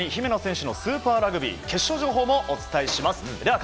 更に姫野選手のスーパーラグビー決勝情報もお伝えします。